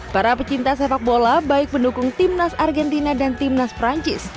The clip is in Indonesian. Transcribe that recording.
para pecinta sepak bola baik pendukung timnas argentina dan timnas perancis